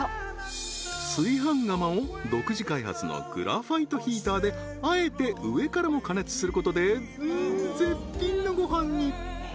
炊飯釜を独自開発のグラファイトヒーターであえて上からも加熱することでうん絶品のご飯に！